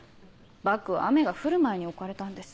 バッグは雨が降る前に置かれたんです。